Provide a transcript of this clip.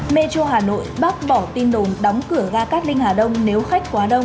mê châu hà nội bác bỏ tin đồn đóng cửa gà cát linh hà đông nếu khách quá đông